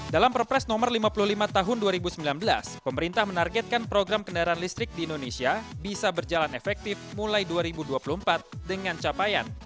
dalam perpres nomor lima puluh lima tahun dua ribu sembilan belas pemerintah menargetkan program kendaraan listrik di indonesia bisa berjalan efektif mulai dua ribu dua puluh empat dengan capaian